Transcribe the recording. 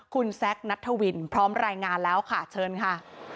คุณแซคนัทธวินพร้อมรายงานแล้วค่ะเชิญค่ะ